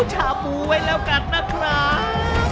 ชาบูไว้แล้วกันนะครับ